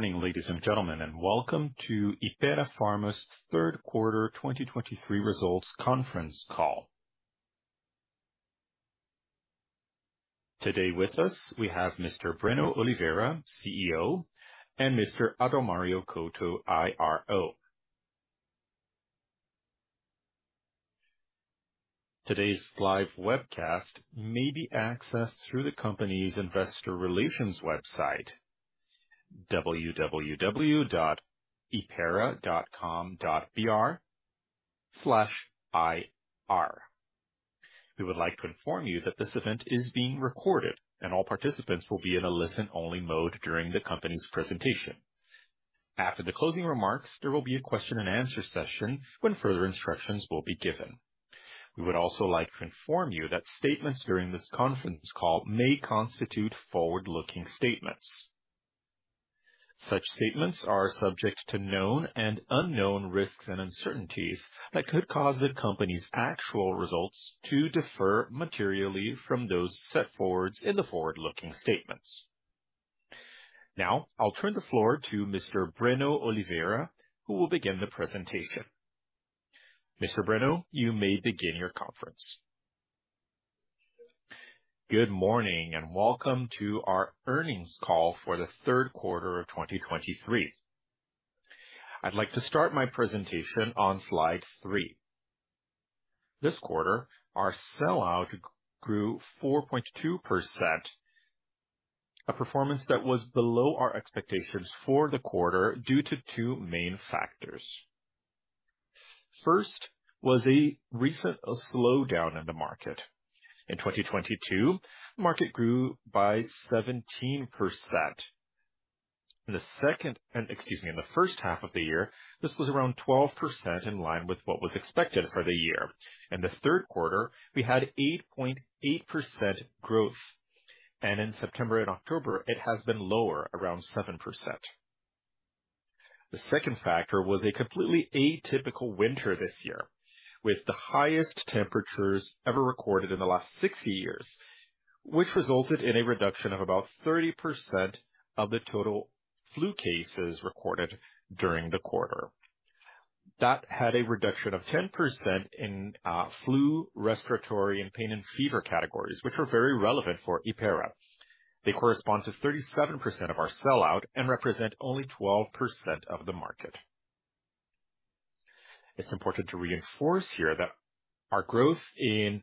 Good morning, ladies and gentlemen, and welcome to Hypera Pharma's Q3 2023 Results Conference Call. Today with us, we have Mr. Breno Oliveira, CEO, and Mr. Adalmario Couto, IRO. Today's live webcast may be accessed through the company's investor relations website, www.hypera.com.br/ir. We would like to inform you that this event is being recorded, and all participants will be in a listen-only mode during the company's presentation. After the closing remarks, there will be a question and answer session when further instructions will be given. We would also like to inform you that statements during this conference call may constitute forward-looking statements. Such statements are subject to known and unknown risks and uncertainties that could cause the company's actual results to differ materially from those set forth in the forward-looking statements. Now, I'll turn the floor to Mr. Breno Oliveira, who will begin the presentation. Mr. Breno, you may begin your conference. Good morning, and welcome to our earnings call for the Q3 of 2023. I'd like to start my presentation on slide 3. This quarter, our sellout grew 4.2%, a performance that was below our expectations for the quarter due to two main factors. First, was a recent slowdown in the market. In 2022, the market grew by 17%. In the first half of the year, this was around 12% in line with what was expected for the year. In the Q3, we had 8.8% growth, and in September and October, it has been lower, around 7%. The second factor was a completely atypical winter this year, with the highest temperatures ever recorded in the last 60 years, which resulted in a reduction of about 30% of the total flu cases recorded during the quarter. That had a reduction of 10% in flu, respiratory, and pain and fever categories, which are very relevant for Hypera. They correspond to 37% of our sellout and represent only 12% of the market. It's important to reinforce here that our growth in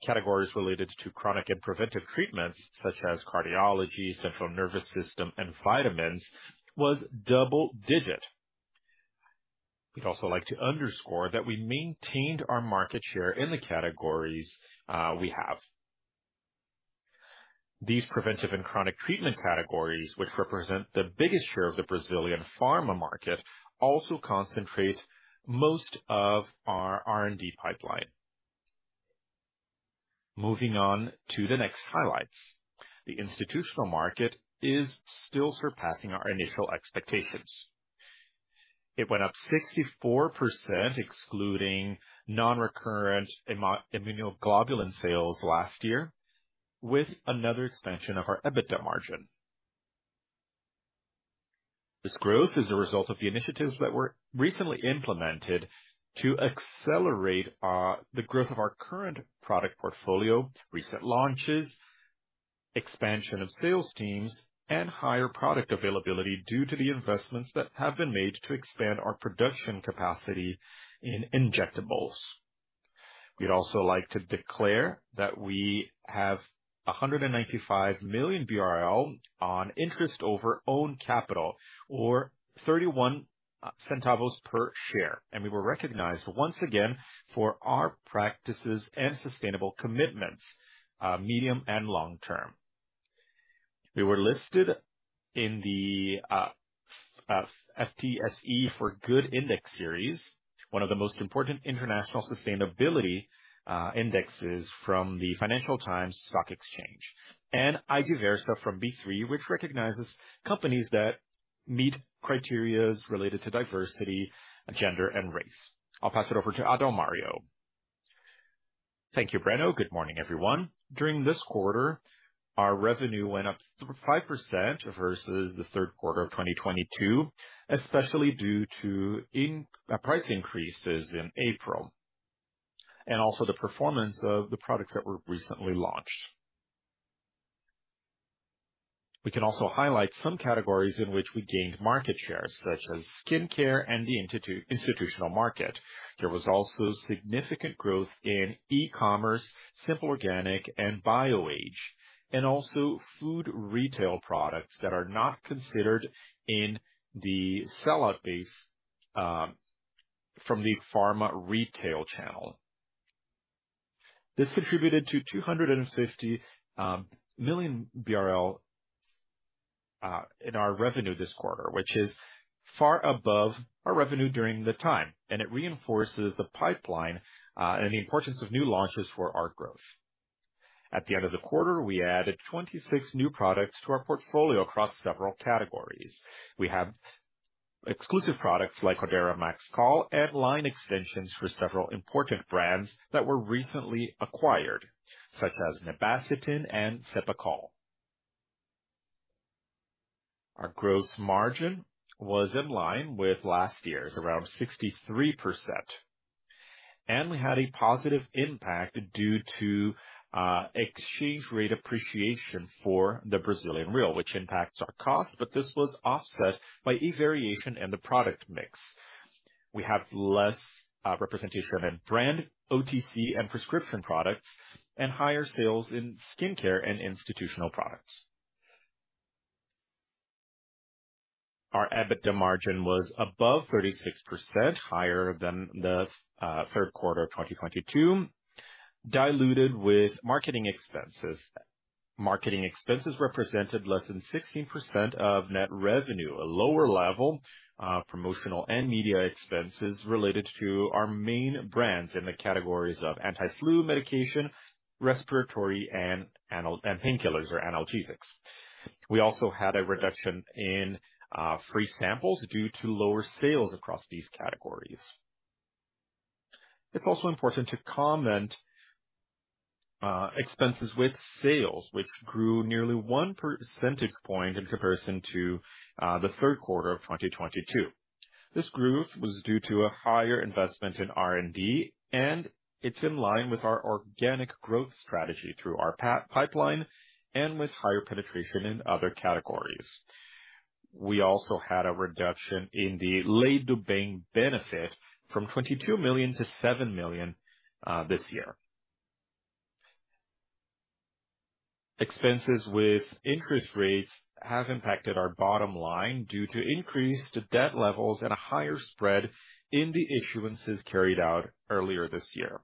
categories related to chronic and preventive treatments, such as cardiology, central nervous system, and vitamins, was double-digit. We'd also like to underscore that we maintained our market share in the categories we have. These preventive and chronic treatment categories, which represent the biggest share of the Brazilian pharma market, also concentrate most of our R&D pipeline. Moving on to the next highlights. The institutional market is still surpassing our initial expectations. It went up 64%, excluding non-recurrent immunoglobulin sales last year, with another expansion of our EBITDA margin. This growth is a result of the initiatives that were recently implemented to accelerate the growth of our current product portfolio, recent launches, expansion of sales teams, and higher product availability due to the investments that have been made to expand our production capacity in injectables. We'd also like to declare that we have 195 million BRL on interest over own capital, or 31 centavos per share, and we were recognized once again for our practices and sustainable commitments, medium and long term. We were listed in the FTSE4Good Index Series, one of the most important international sustainability indexes from the Financial Times Stock Exchange, and IDiversa from B3, which recognizes companies that meet criteria related to diversity, gender, and race. I'll pass it over to Adalmario. Thank you, Breno. Good morning, everyone. During this quarter, our revenue went up 5% versus the Q3 of 2022, especially due to price increases in April, and also the performance of the products that were recently launched. We can also highlight some categories in which we gained market share, such as skincare and the institutional market. There was also significant growth in e-commerce, Simple Organic, and Bioage, and also food retail products that are not considered in the sellout base from the pharma retail channel. This contributed to 250 million BRL in our revenue this quarter, which is far above our revenue during the time, and it reinforces the pipeline and the importance of new launches for our growth. At the end of the quarter, we added 26 new products to our portfolio across several categories. We have exclusive products like Addera Max Col, and line extensions for several important brands that were recently acquired, such as Nebacetin and Cepacol. Our gross margin was in line with last year's, around 63%, and we had a positive impact due to exchange rate appreciation for the Brazilian real, which impacts our costs, but this was offset by a variation in the product mix. We have less representation in brand, OTC, and prescription products, and higher sales in skincare and institutional products. Our EBITDA margin was above 36%, higher than the Q3 of 2022, diluted with marketing expenses. Marketing expenses represented less than 16% of net revenue, a lower level, promotional and media expenses related to our main brands in the categories of anti-flu medication, respiratory, and painkillers or analgesics. We also had a reduction in free samples due to lower sales across these categories. It's also important to comment, expenses with sales, which grew nearly 1 percentage point in comparison to the Q3 of 2022. This growth was due to a higher investment in R&D, and it's in line with our organic growth strategy through our pipeline and with higher penetration in other categories. We also had a reduction in the Lei do Bem benefit from 22 million to 7 million this year. Expenses with interest rates have impacted our bottom line due to increased debt levels and a higher spread in the issuances carried out earlier this year.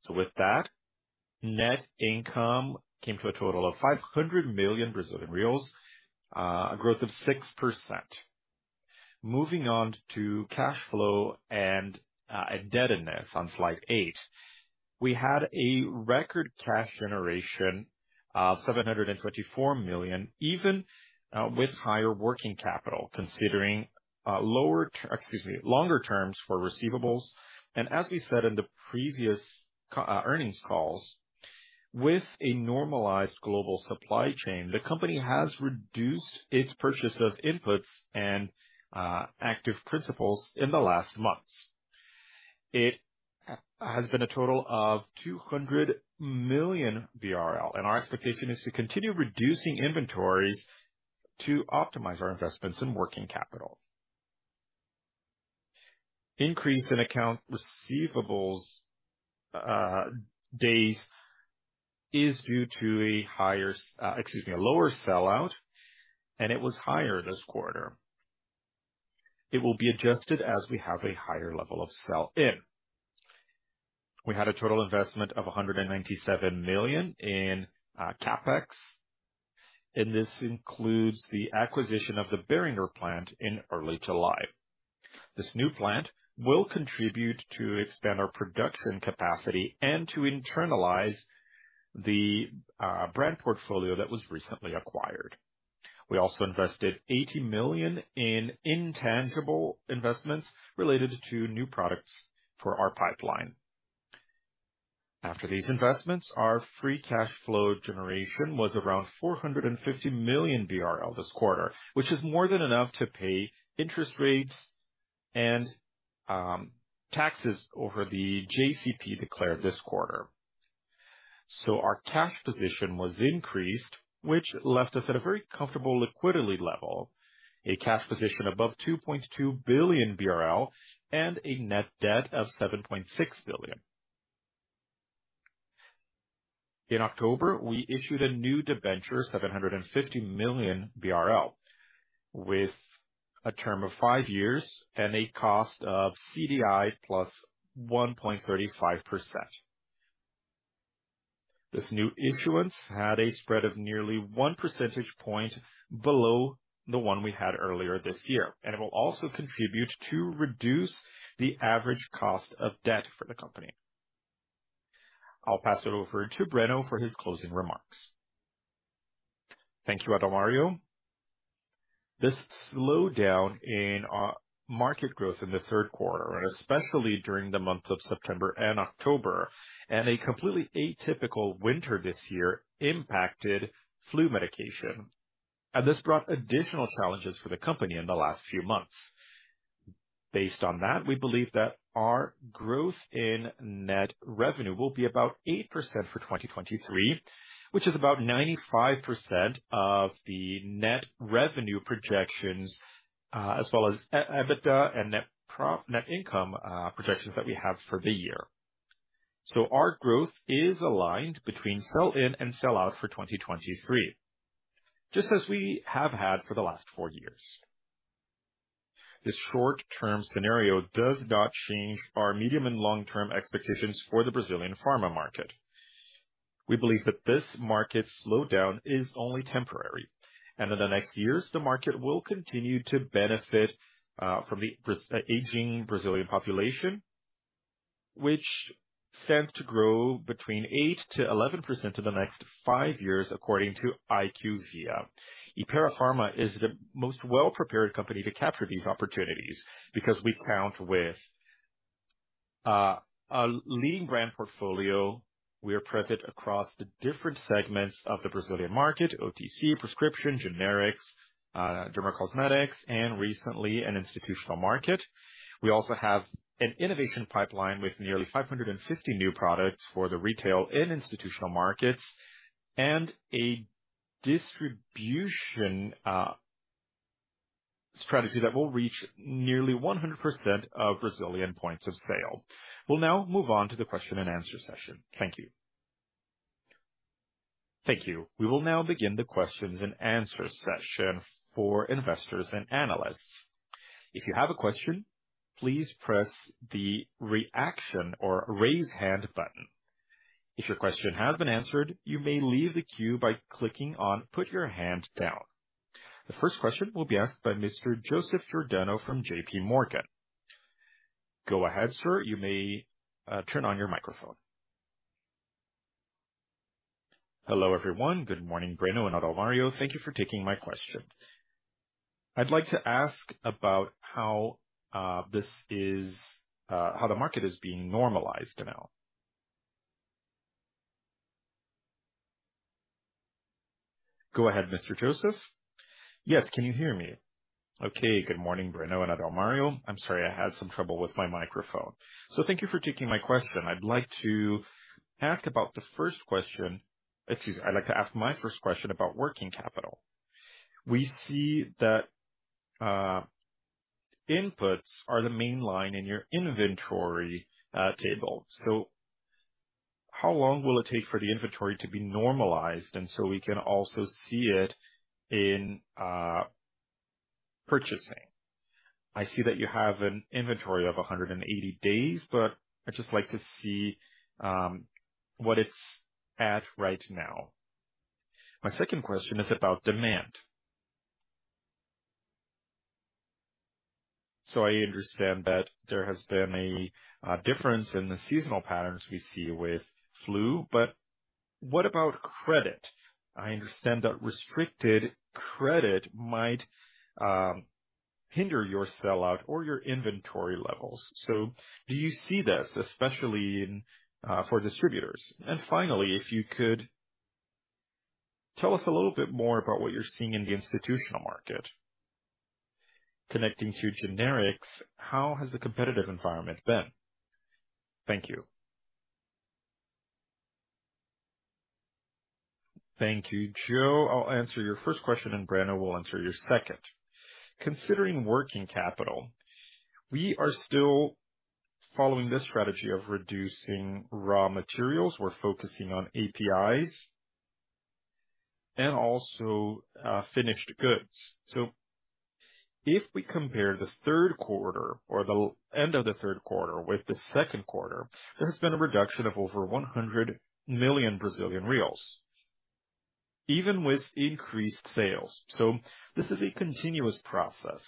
So with that, net income came to a total of 500 million Brazilian reais, a growth of 6%. Moving on to cash flow and indebtedness on slide 8. We had a record cash generation of 724 million, even with higher working capital, considering longer terms for receivables. And as we said in the previous earnings calls, with a normalized global supply chain, the company has reduced its purchase of inputs and active principles in the last months. It has been a total of 200 million, and our expectation is to continue reducing inventories to optimize our investments in working capital. Increase in accounts receivable days is due to a higher, excuse me, a lower sellout, and it was higher this quarter. It will be adjusted as we have a higher level of sell-in. We had a total investment of 197 million in CapEx, and this includes the acquisition of the Boehringer plant in early July. This new plant will contribute to expand our production capacity and to internalize the brand portfolio that was recently acquired. We also invested 80 million in intangible investments related to new products for our pipeline. After these investments, our free cash flow generation was around 450 million BRL this quarter, which is more than enough to pay interest rates and taxes over the JCP declared this quarter. Our cash position was increased, which left us at a very comfortable liquidity level, a cash position above 2.2 billion BRL, and a net debt of 7.6 billion. In October, we issued a new debenture, 750 million BRL, with a term of 5 years and a cost of CDI plus 1.35%. This new issuance had a spread of nearly one percentage point below the one we had earlier this year, and it will also contribute to reduce the average cost of debt for the company. I'll pass it over to Breno for his closing remarks. Thank you, Adalmario. This slowdown in market growth in the Q3, and especially during the months of September and October, and a completely atypical winter this year, impacted flu medication, and this brought additional challenges for the company in the last few months. Based on that, we believe that our growth in net revenue will be about 8% for 2023, which is about 95% of the net revenue projections, as well as EBITDA and net income projections that we have for the year. So our growth is aligned between sell-in and sell-out for 2023, just as we have had for the last four years. This short-term scenario does not change our medium and long-term expectations for the Brazilian pharma market. We believe that this market slowdown is only temporary, and in the next years, the market will continue to benefit from the aging Brazilian population, which stands to grow between 8%-11% in the next five years, according to IQVIA. Hypera Pharma is the most well-prepared company to capture these opportunities because we count with a leading brand portfolio. We are present across the different segments of the Brazilian market, OTC, prescription, generics, Dermocosmetics, and recently an institutional market. We also have an innovation pipeline with nearly 550 new products for the retail and institutional markets, and a distribution strategy that will reach nearly 100% of Brazilian points of sale. We'll now move on to the question and answer session. Thank you. Thank you. We will now begin the questions and answer session for investors and analysts. If you have a question, please press the reaction or raise hand button. If your question has been answered, you may leave the queue by clicking on put your hand down. The first question will be asked by Mr. Joseph Giordano from JP Morgan. Go ahead, sir. You may turn on your microphone. Hello, everyone. Good morning, Breno and Adalmario. Thank you for taking my question. I'd like to ask about how this is how the market is being normalized now. Go ahead, Mr. Joseph. Yes. Can you hear me? Okay. Good morning, Breno and Adalmario. I'm sorry, I had some trouble with my microphone. So thank you for taking my question. I'd like to ask about the first question. Excuse me. I'd like to ask my first question about working capital. We see that inputs are the main line in your inventory table. So how long will it take for the inventory to be normalized and so we can also see it in purchasing? I see that you have an inventory of 100 days, but I'd just like to see what it's at right now. My second question is about demand. So I understand that there has been a difference in the seasonal patterns we see with flu, but what about credit? I understand that restricted credit might hinder your sellout or your inventory levels. So do you see this, especially in for distributors? And finally, if you could tell us a little bit more about what you're seeing in the institutional market. Connecting to generics, how has the competitive environment been? Thank you. Thank you, Joe. I'll answer your first question, and Breno will answer your second. Considering working capital, we are still following this strategy of reducing raw materials. We're focusing on APIs and also finished goods. So if we compare the Q3 or the end of the Q3 with the second quarter, there has been a reduction of over 100 million Brazilian reais, even with increased sales. So this is a continuous process.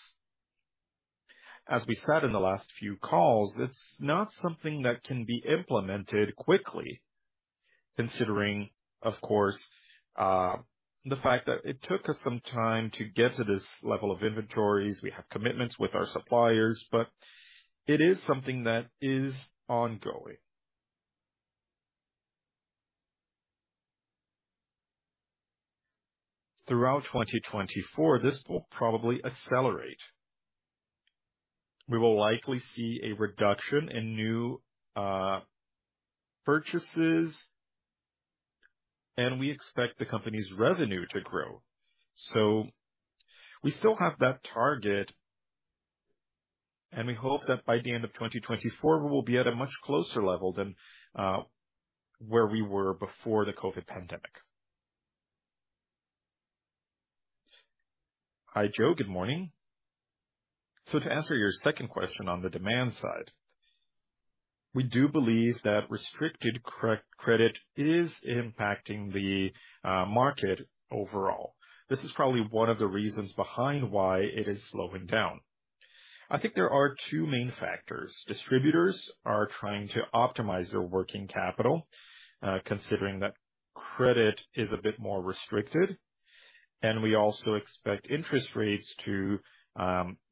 As we said in the last few calls, it's not something that can be implemented quickly, considering, of course, the fact that it took us some time to get to this level of inventories. We have commitments with our suppliers, but it is something that is ongoing. Throughout 2024, this will probably accelerate. We will likely see a reduction in new purchases, and we expect the company's revenue to grow. So we still have that target, and we hope that by the end of 2024, we will be at a much closer level than where we were before the COVID pandemic. Hi, Joe. Good morning. So to answer your second question on the demand side, we do believe that restricted credit is impacting the market overall. This is probably one of the reasons behind why it is slowing down. I think there are two main factors. Distributors are trying to optimize their working capital, considering that credit is a bit more restricted, and we also expect interest rates to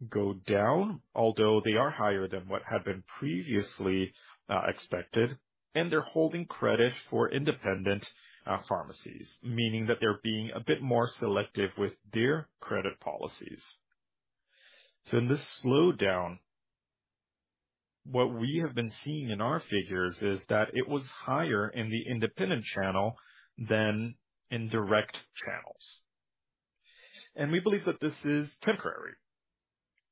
go down, although they are higher than what had been previously expected. And they're holding credit for independent pharmacies, meaning that they're being a bit more selective with their credit policies. So in this slowdown, what we have been seeing in our figures is that it was higher in the independent channel than in direct channels. And we believe that this is temporary.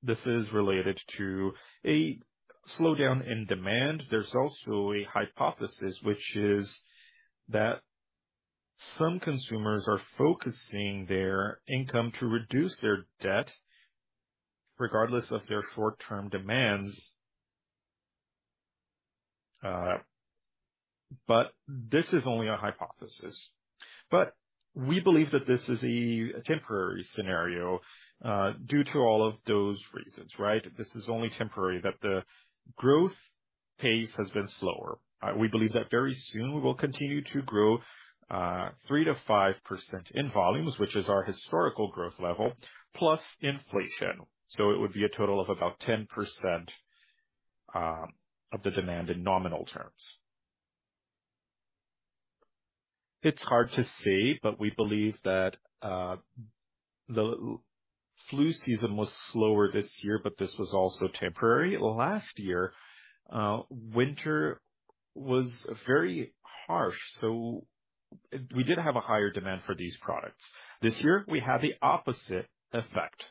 This is related to a slowdown in demand. There's also a hypothesis, which is that some consumers are focusing their income to reduce their debt, regardless of their short-term demands. But this is only a hypothesis. But we believe that this is a temporary scenario, due to all of those reasons, right? This is only temporary, that the growth pace has been slower. We believe that very soon we will continue to grow, 3%-5% in volumes, which is our historical growth level, plus inflation. So it would be a total of about 10%, of the demand in nominal terms. It's hard to say, but we believe that the flu season was slower this year, but this was also temporary. Last year, winter was very harsh, so we did have a higher demand for these products. This year, we had the opposite effect.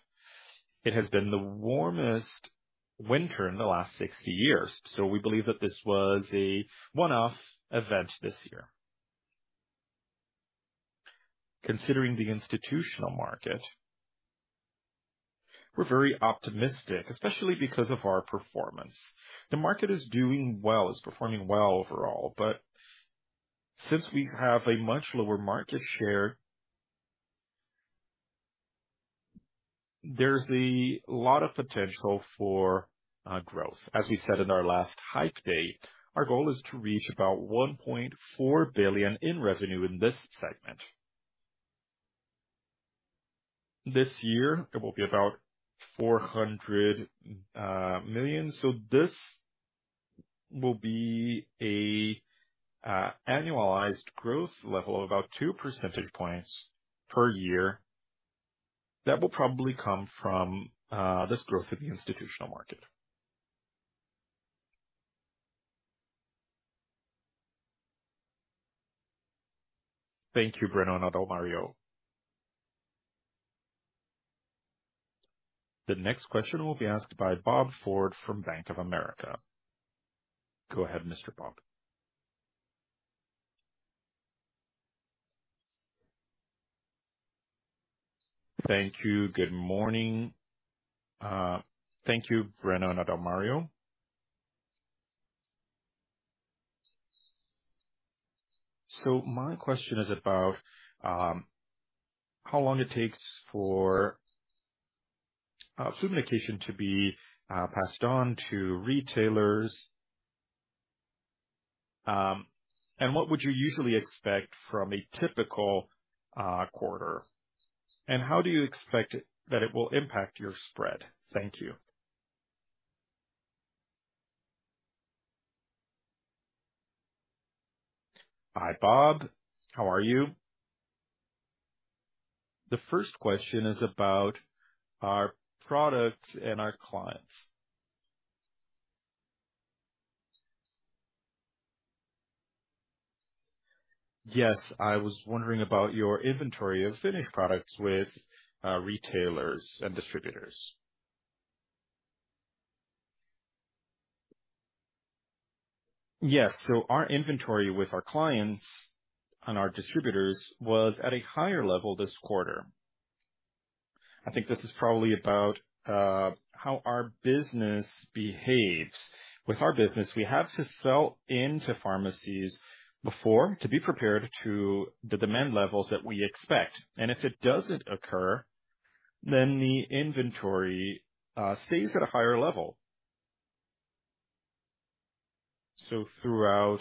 It has been the warmest winter in the last 60 years, so we believe that this was a one-off event this year. Considering the institutional market, we're very optimistic, especially because of our performance. The market is doing well, it's performing well overall, but since we have a much lower market share, there's a lot of potential for growth. As we said in our last hype day, our goal is to reach about 1.4 billion in revenue in this segment. This year, it will be about 400 million. So this will be an annualized growth level of about 2 percentage points per year. That will probably come from this growth in the institutional market. Thank you, Breno and Adalmario. The next question will be asked by Bob Ford from Bank of America. Go ahead, Mr. Bob. Thank you. Good morning. Thank you, Breno and Adalmario. So my question is about how long it takes for flu medication to be passed on to retailers? And what would you usually expect from a typical quarter, and how do you expect it that it will impact your spread? Thank you. Hi, Bob. How are you? The first question is about our products and our clients. Yes, I was wondering about your inventory of finished products with retailers and distributors. Yes, so our inventory with our clients and our distributors was at a higher level this quarter. I think this is probably about how our business behaves. With our business, we have to sell into pharmacies before to be prepared to the demand levels that we expect, and if it doesn't occur, then the inventory stays at a higher level. So throughout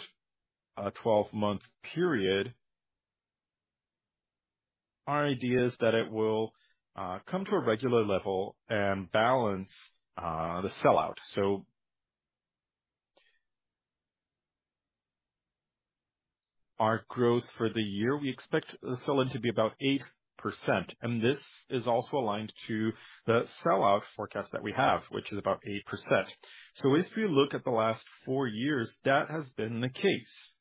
a 12-month period, our idea is that it will come to a regular level and balance the sellout. So our growth for the year, we expect the sell-in to be about 8%, and this is also aligned to the sellout forecast that we have, which is about 8%. So if you look at the last four years, that has been the case.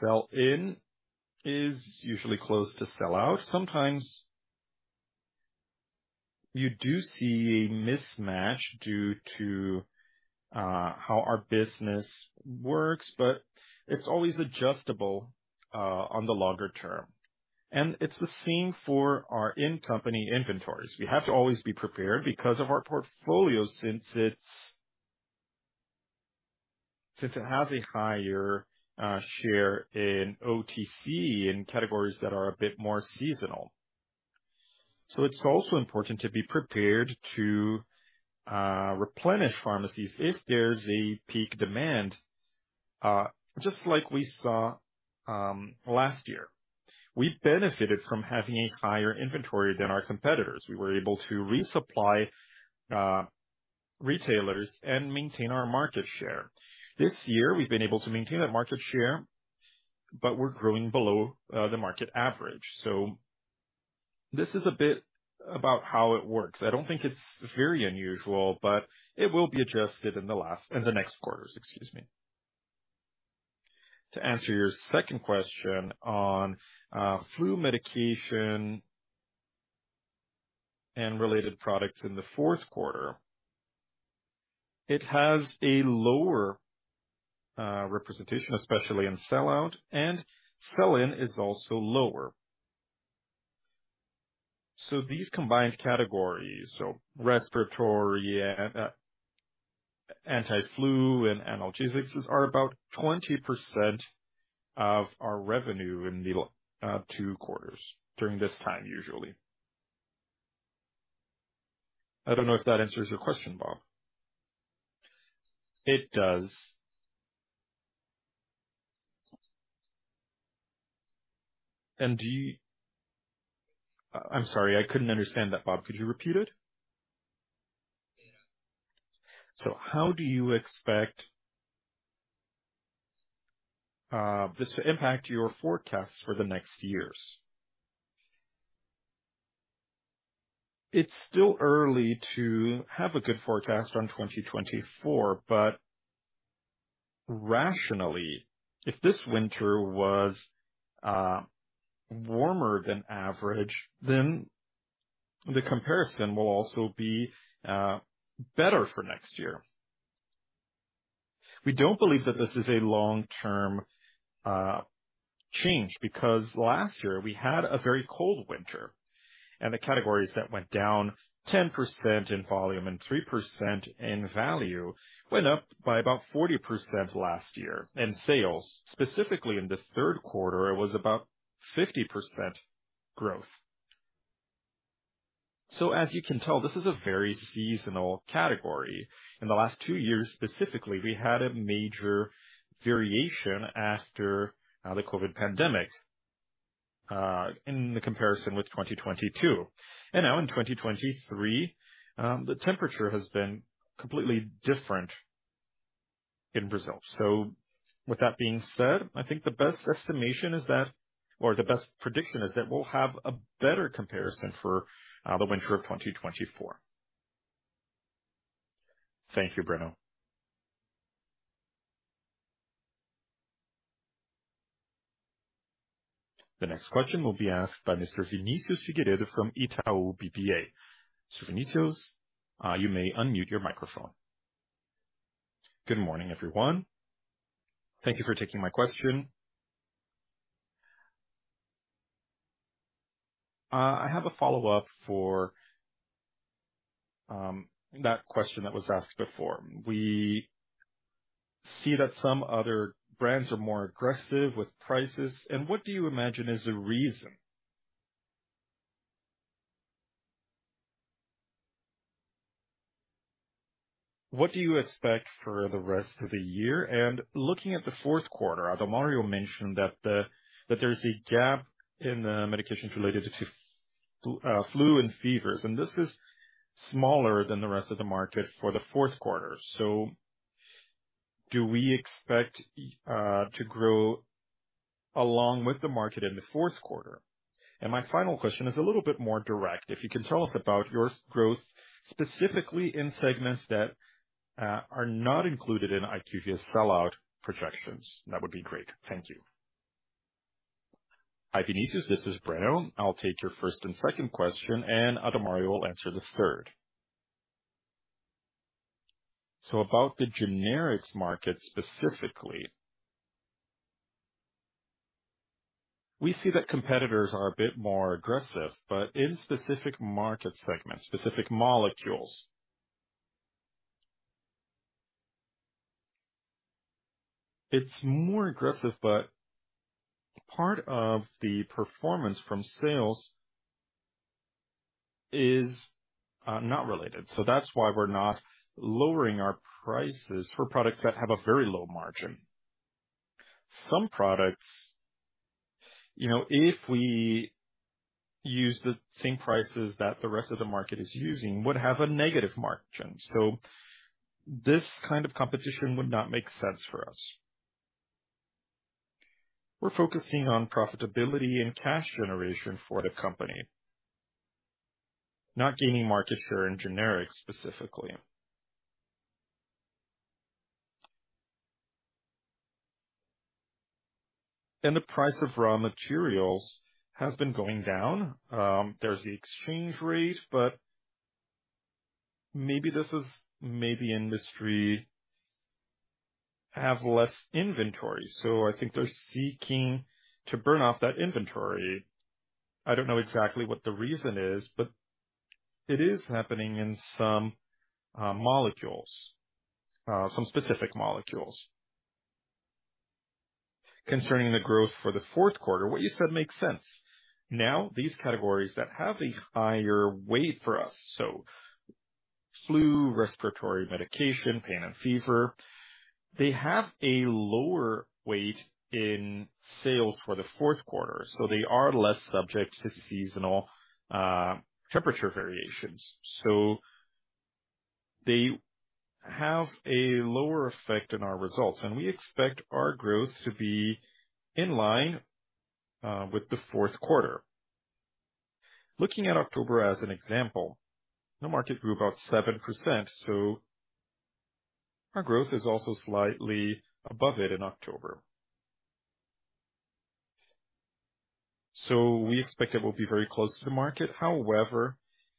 Sell-in is usually close to sell-out. Sometimes you do see a mismatch due to how our business works, but it's always adjustable on the longer term. And it's the same for our in-company inventories. We have to always be prepared because of our portfolio, since it's, since it has a higher share in OTC, in categories that are a bit more seasonal. So it's also important to be prepared to replenish pharmacies if there's a peak demand, just like we saw last year. We benefited from having a higher inventory than our competitors. We were able to resupply retailers and maintain our market share. This year, we've been able to maintain that market share, but we're growing below the market average. So this is a bit about how it works. I don't think it's very unusual, but it will be adjusted in the last—in the next quarters, excuse me. To answer your second question on flu medication and related products in the fourth quarter, it has a lower representation, especially in sell-out, and sell-in is also lower. So these combined categories, so respiratory and anti-flu and analgesics, are about 20% of our revenue in the last two quarters during this time, usually. I don't know if that answers your question, Bob. It does. And do you-- I'm sorry, I couldn't understand that, Bob. Could you repeat it? So how do you expect this to impact your forecasts for the next years? It's still early to have a good forecast on 2024, but rationally, if this winter was warmer than average, then the comparison will also be better for next year. We don't believe that this is a long-term change, because last year we had a very cold winter, and the categories that went down 10% in volume and 3% in value went up by about 40% last year. In sales, specifically in the Q3, it was about 50% growth. So as you can tell, this is a very seasonal category. In the last two years, specifically, we had a major variation after the COVID pandemic in the comparison with 2022. And now in 2023, the temperature has been completely different in Brazil. So with that being said, I think the best estimation is that, or the best prediction is that we'll have a better comparison for the winter of 2024. Thank you, Breno. The next question will be asked by Mr. Vinicius Figueiredo from Itaú BBA. So Vinicius, you may unmute your microphone. Good morning, everyone. Thank you for taking my question. I have a follow-up for that question that was asked before. We see that some other brands are more aggressive with prices, and what do you imagine is the reason? What do you expect for the rest of the year? And looking at the fourth quarter, Adalmario mentioned that there's a gap in the medications related to flu and fevers, and this is smaller than the rest of the market for the fourth quarter. So do we expect to grow along with the market in the fourth quarter? And my final question is a little bit more direct. If you can tell us about your growth, specifically in segments that are not included in IQVIA's sellout projections, that would be great. Thank you. Hi, Vinicius, this is Breno. I'll take your first and second question, and Adalmario will answer the third. So about the generics market specifically, we see that competitors are a bit more aggressive, but in specific market segments, specific molecules. It's more aggressive, but part of the performance from sales is not related, so that's why we're not lowering our prices for products that have a very low margin. Some products, you know, if we use the same prices that the rest of the market is using, would have a negative margin, so this kind of competition would not make sense for us. We're focusing on profitability and cash generation for the company, not gaining market share in generics specifically. And the price of raw materials has been going down. There's the exchange rate, but maybe this is, maybe industry have less inventory, so I think they're seeking to burn off that inventory. I don't know exactly what the reason is, but it is happening in some molecules, some specific molecules. Concerning the growth for the fourth quarter, what you said makes sense. Now, these categories that have a higher weight for us, so flu, respiratory medication, pain and fever, they have a lower weight in sales for the fourth quarter, so they are less subject to seasonal temperature variations. So they have a lower effect on our results, and we expect our growth to be in line with the fourth quarter. Looking at October as an example, the market grew about 7%, so our growth is also slightly above it in October. So we expect it will be very close to the market. However,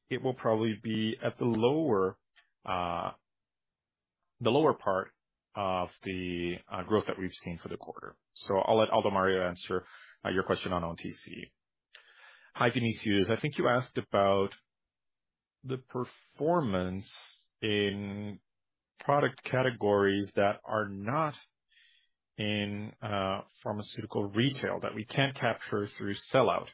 it will probably be at the lower. The lower part of the growth that we've seen for the quarter. So I'll let Adalmario answer your question on OTC. Hi, Vinicius, I think you asked about the performance in product categories that are not in pharmaceutical retail, that we can't capture through sellout.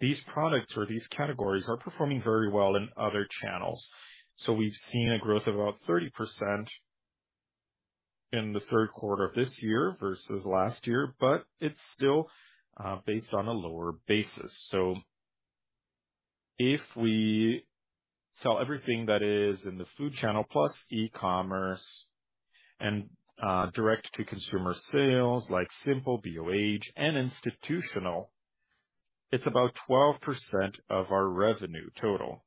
These products or these categories are performing very well in other channels. So we've seen a growth of about 30% in the Q3 of this year versus last year, but it's still based on a lower basis. So if we sell everything that is in the food channel, plus e-commerce and direct to consumer sales, like Simple, Bioage, and institutional, it's about 12% of our revenue total.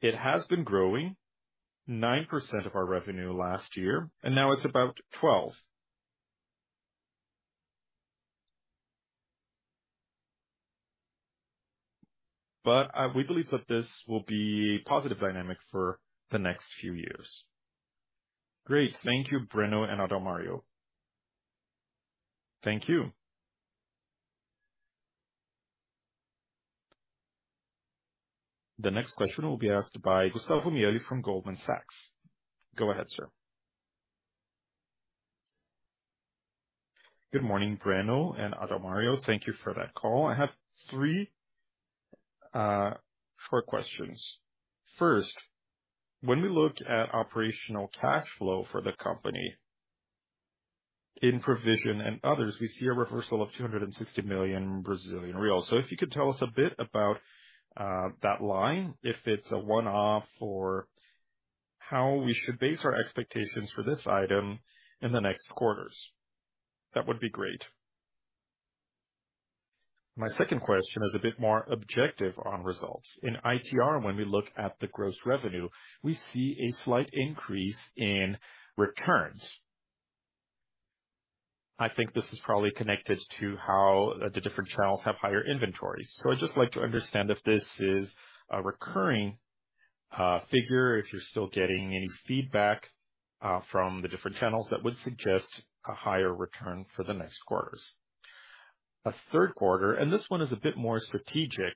It has been growing 9% of our revenue last year, and now it's about 12. But we believe that this will be a positive dynamic for the next few years. Great. Thank you, Breno and Adalmario. Thank you. The next question will be asked by Gustavo Mieli from Goldman Sachs. Go ahead, sir. Good morning, Breno and Adalmario. Thank you for that call. I have three short questions. First, when we look at operational cash flow for the company in provision and others, we see a reversal of 260 million Brazilian real. So if you could tell us a bit about that line, if it's a one-off or how we should base our expectations for this item in the next quarters, that would be great. My second question is a bit more objective on results. In ITR, when we look at the gross revenue, we see a slight increase in returns. I think this is probably connected to how the different channels have higher inventories. So I'd just like to understand if this is a recurring figure, if you're still getting any feedback from the different channels that would suggest a higher return for the next quarters. A Q3, and this one is a bit more strategic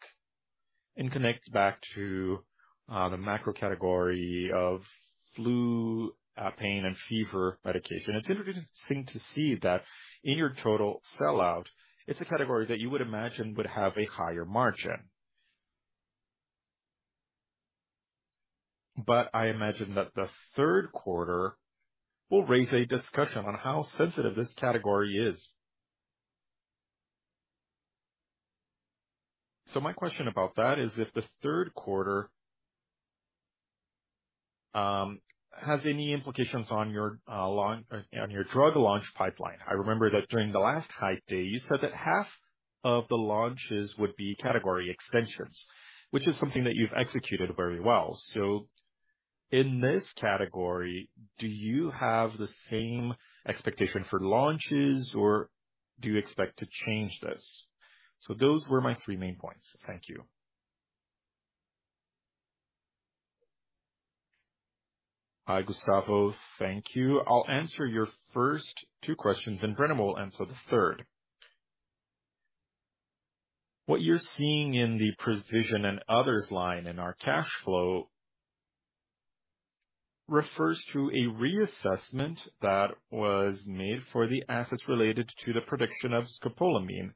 and connects back to the main core category of flu, pain, and fever medication. It's interesting to see that in your total sellout, it's a category that you would imagine would have a higher margin. But I imagine that the Q3 will raise a discussion on how sensitive this category is. So my question about that is if the Q3 has any implications on your launch, on your drug launch pipeline. I remember that during the last Hype Days, you said that half of the launches would be category extensions, which is something that you've executed very well. In this category, do you have the same expectation for launches, or do you expect to change this? Those were my three main points. Thank you. Hi, Gustavo. Thank you. I'll answer your first two questions, and Breno will answer the third. What you're seeing in the provision and others line in our cash flow refers to a reassessment that was made for the assets related to the production of scopolamine,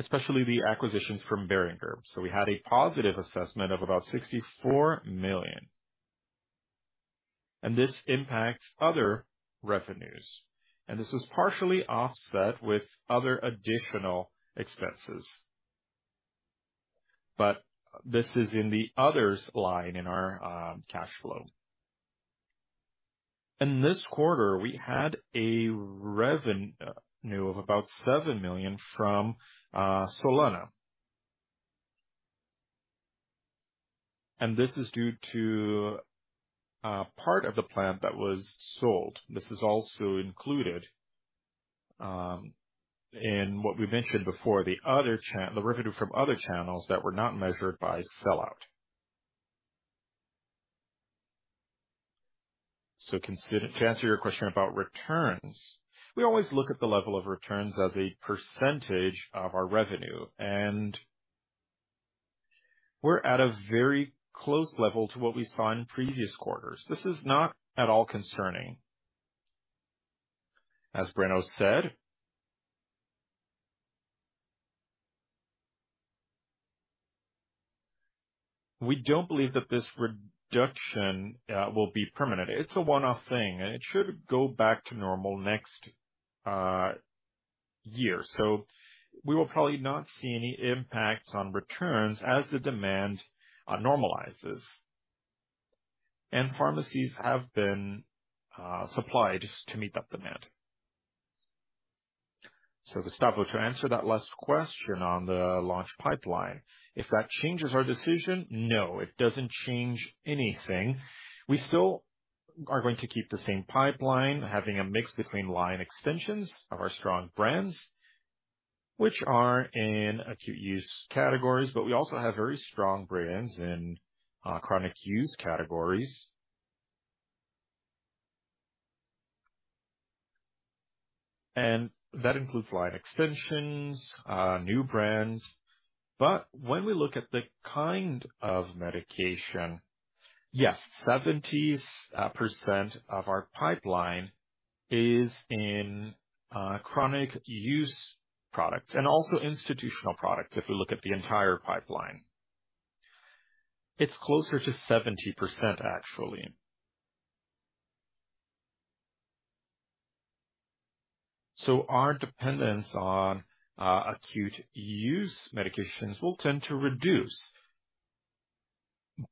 especially the acquisitions from Boehringer. So we had a positive assessment of about 64 million, and this impacts other revenues, and this was partially offset with other additional expenses. But this is in the others line in our cash flow. In this quarter, we had a revenue of about 7 million from Solena. And this is due to part of the plant that was sold. This is also included in what we mentioned before, the revenue from other channels that were not measured by sellout. So consider. To answer your question about returns, we always look at the level of returns as a percentage of our revenue, and we're at a very close level to what we saw in previous quarters. This is not at all concerning. As Breno said, we don't believe that this reduction will be permanent. It's a one-off thing, and it should go back to normal next year. So we will probably not see any impacts on returns as the demand normalizes. And pharmacies have been supplied to meet that demand. So, Gustavo, to answer that last question on the launch pipeline, if that changes our decision. No, it doesn't change anything. We still- ...We are going to keep the same pipeline, having a mix between line extensions of our strong brands, which are in acute use categories, but we also have very strong brands in chronic use categories. That includes line extensions, new brands. When we look at the kind of medication, yes, 70% of our pipeline is in chronic use products and also institutional products if we look at the entire pipeline. It's closer to 70%, actually. Our dependence on acute use medications will tend to reduce,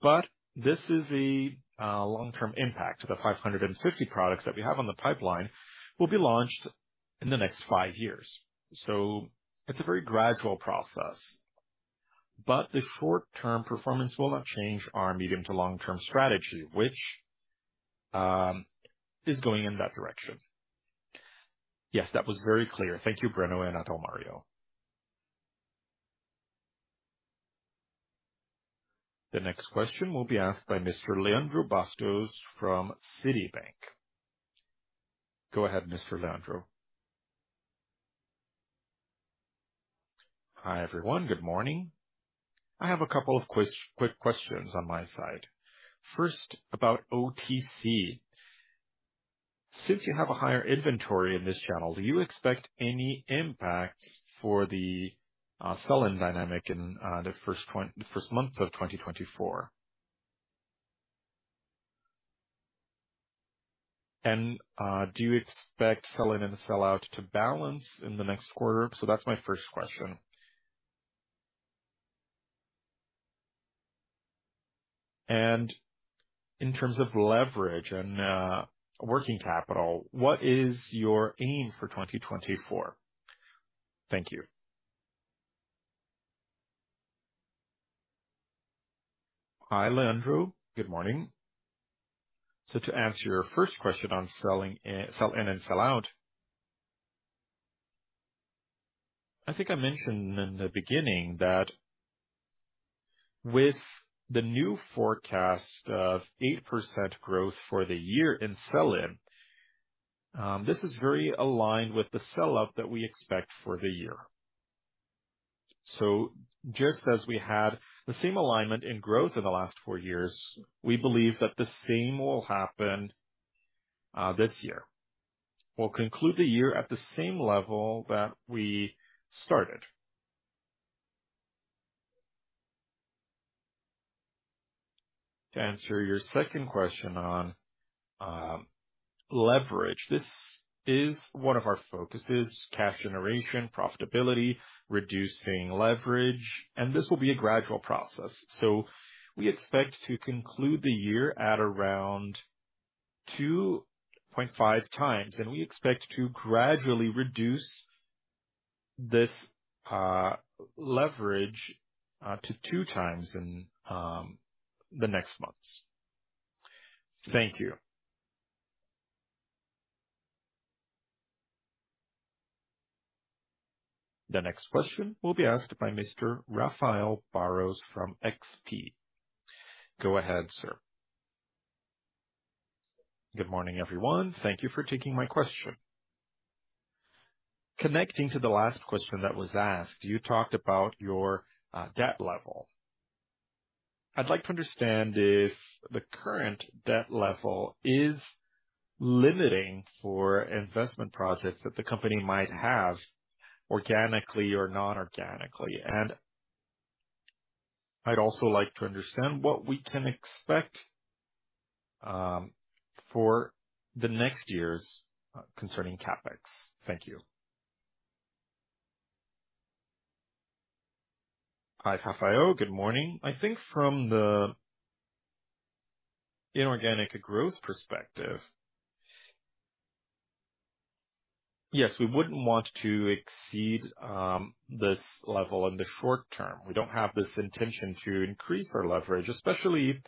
but this is the long-term impact. The 550 products that we have on the pipeline will be launched in the next five years, so it's a very gradual process. The short-term performance will not change our medium to long-term strategy, which is going in that direction. Yes, that was very clear. Thank you, Breno and Adalmario. The next question will be asked by Mr. Leandro Bastos from Citibank. Go ahead, Mr. Leandro. Hi, everyone. Good morning. I have a couple of quick questions on my side. First, about OTC. Since you have a higher inventory in this channel, do you expect any impacts for the sell-in dynamic in the first months of 2024? And do you expect sell-in and sell out to balance in the next quarter? So that's my first question. And in terms of leverage and working capital, what is your aim for 2024? Thank you. Hi, Leandro. Good morning. So to answer your first question on selling, sell-in and sell out. I think I mentioned in the beginning that with the new forecast of 8% growth for the year in sell-in, this is very aligned with the sellout that we expect for the year. So just as we had the same alignment in growth in the last four years, we believe that the same will happen this year. We'll conclude the year at the same level that we started. To answer your second question on leverage, this is one of our focuses, cash generation, profitability, reducing leverage, and this will be a gradual process. So we expect to conclude the year at around 2.5x, and we expect to gradually reduce this leverage to 2x in the next months. Thank you. The next question will be asked by Mr. Rafael Barros from XP. Go ahead, sir. Good morning, everyone. Thank you for taking my question. Connecting to the last question that was asked, you talked about your debt level. I'd like to understand if the current debt level is limiting for investment projects that the company might have, organically or non-organically. And I'd also like to understand what we can expect for the next years concerning CapEx. Thank you. Hi, Rafael. Good morning. I think from the inorganic growth perspective... Yes, we wouldn't want to exceed this level in the short term. We don't have this intention to increase our leverage, especially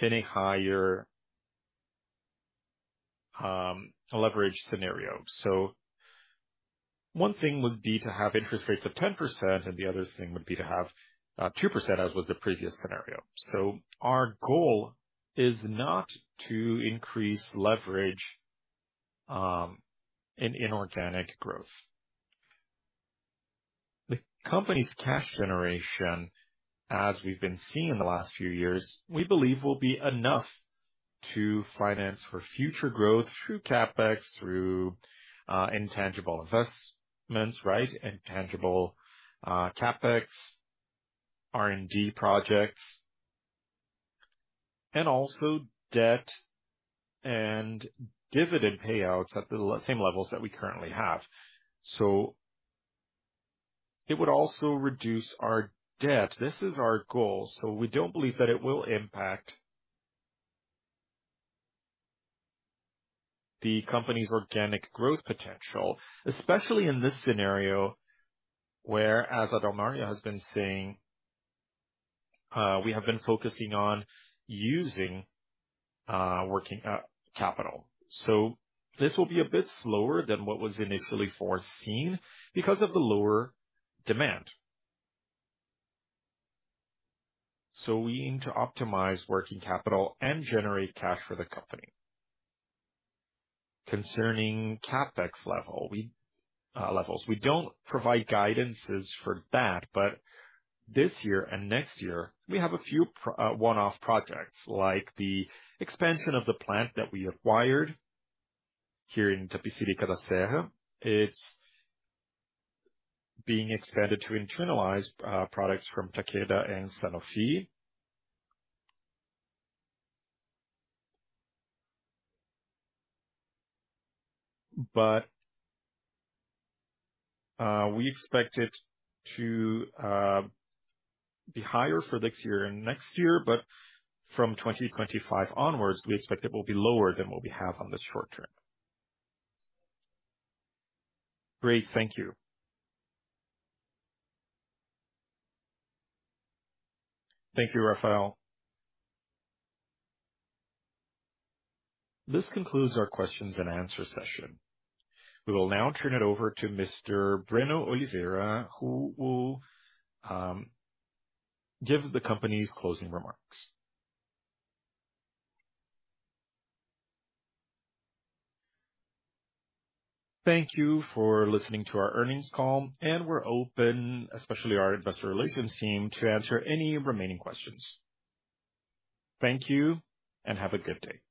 in a higher leverage scenario. So one thing would be to have interest rates of 10%, and the other thing would be to have 2%, as was the previous scenario. So our goal is not to increase leverage in inorganic growth. The company's cash generation, as we've been seeing in the last few years, we believe will be enough to finance for future growth through CapEx, through intangible investments, right? Intangible CapEx, R&D projects, and also debt and dividend payouts at the same levels that we currently have. So it would also reduce our debt. This is our goal, so we don't believe that it will impact the company's organic growth potential, especially in this scenario, where, as Adalmario has been saying, we have been focusing on using working capital. So this will be a bit slower than what was initially foreseen because of the lower demand. So we aim to optimize working capital and generate cash for the company. Concerning CapEx levels, we don't provide guidances for that, but this year and next year, we have a few one-off projects, like the expansion of the plant that we acquired here in Itapecerica da Serra. It's being expanded to internalize products from Takeda and Sanofi. But we expect it to be higher for this year and next year, but from 2025 onwards, we expect it will be lower than what we have on the short term. Great. Thank you. Thank you, Rafael. This concludes our questions and answer session. We will now turn it over to Mr. Breno Oliveira, who will give the company's closing remarks. Thank you for listening to our earnings call, and we're open, especially our investor relations team, to answer any remaining questions. Thank you, and have a good day.